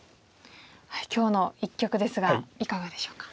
今日の一局ですがいかがでしょうか？